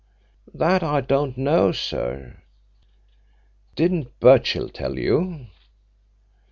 "That I don't know, sir." "Didn't Birchill tell you?"